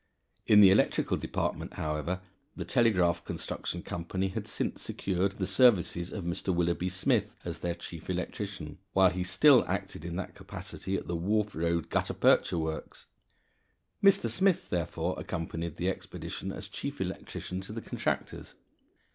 In the electrical department, however, the Telegraph Construction Company had since secured the services of Mr. Willoughby Smith as their chief electrician, while he still acted in that capacity at the Wharf Road Gutta Percha Works. Mr. Smith, therefore, accompanied the expedition as chief electrician to the contractors.